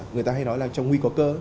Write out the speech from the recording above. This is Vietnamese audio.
người ta hay nói là trong nguy cố cơ